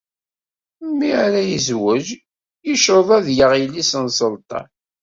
Mi ira ad yezweǧ, yecreḍ ad yaɣ yelli-s n sselṭan.